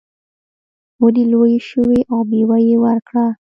ونې لویې شوې او میوه یې ورکړه.